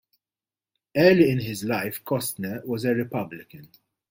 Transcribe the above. Early in his life, Costner was a Republican.